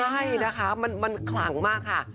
ใช่นะคะมันขลังมากค่ะ